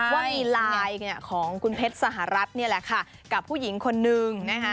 ว่ามีไลน์ของคุณเพชรสหรัฐนี่แหละค่ะกับผู้หญิงคนนึงนะคะ